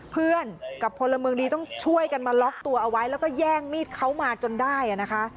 เพื่อนกับพลเมืองดีต้องช่วยกันมาล็อกตัวเอาไว้แล้วก็แย่งมีดเขามาจนได้นะคะ